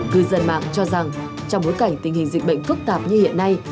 cư dân mạng cho rằng trong bối cảnh tình hình dịch bệnh phức tạp như hiện nay